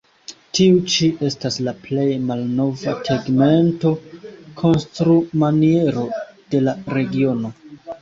Tiu ĉi estas la plej malnova tegmento-konstrumaniero de la regiono.